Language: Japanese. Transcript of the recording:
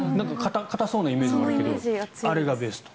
硬そうなイメージがあるけどあれがいいと。